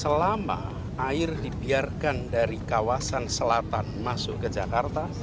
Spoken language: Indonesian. selama air dibiarkan dari kawasan selatan masuk ke jakarta